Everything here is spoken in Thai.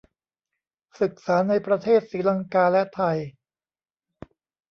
ศึกษาในประเทศศรีลังกาและไทย